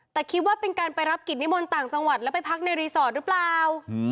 แต่คิดว่าเป็นการไปรับกิจนิมนต์ต่างจังหวัดแล้วไปพักในรีสอร์ทหรือเปล่า